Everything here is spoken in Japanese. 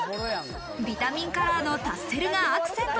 ビタミンカラーのタッセルがアク